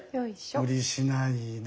無理しないで。